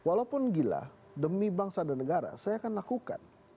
walaupun gila demi bangsa dan negara saya akan lakukan